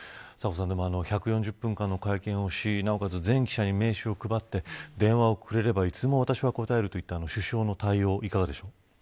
１４０分間の会見をし、なおかつ全記者に名刺を配って電話をくれればいつでも答えるといった首相の対応いかがですか。